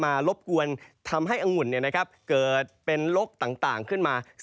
มารบกวนทำให้อังหุ่นเนี่ยนะครับเกิดเป็นโรคต่างขึ้นมา